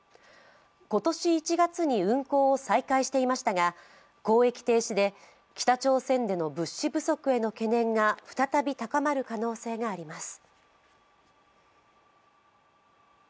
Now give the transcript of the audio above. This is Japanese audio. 今年１月に運行を再開していましたが交易停止で北朝鮮での物資不足への懸念が再び高まる可能性があります。